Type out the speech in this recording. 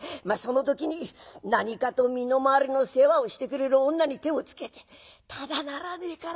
まあその時に何かと身の回りの世話をしてくれる女に手をつけてただならねえ